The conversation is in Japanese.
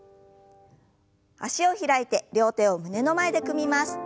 脚を開いて両手を胸の前で組みます。